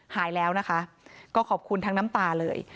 หายแล้วนะคะก็ขอบคุณทั้งน้ำตาเลย